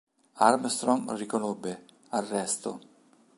Armstrong riconobbe: "Arresto.